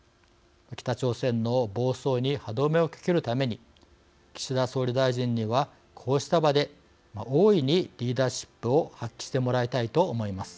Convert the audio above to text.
北朝鮮の暴走に歯止めをかけるために岸田総理大臣にはこうした場で大いにリーダーシップを発揮してもらいたいと思います。